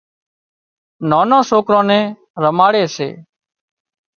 نانان سوڪران نين رماڙي سي